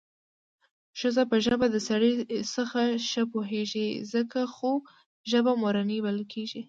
ښځه په ژبه د سړي څخه ښه پوهېږي څکه خو ژبه مورنۍ بلل کېږي